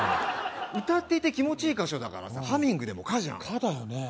歌っていて気持ちいい箇所だからさハミングでも可じゃん可だよね